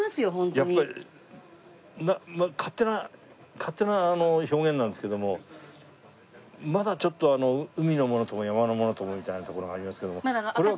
やっぱり勝手な勝手な表現なんですけどもまだちょっと海のものとも山のものともみたいなところがありますけどもこれは。